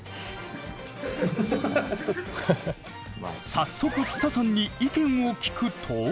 早速つたさんに意見を聞くと。